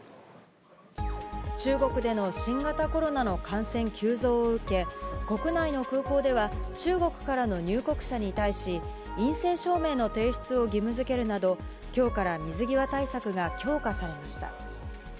中国での新型コロナの感染急増を受け、国内の空港では、中国からの入国者に対し、陰性証明の提出を義務づけるなど、きょうから水際対策が強化されました。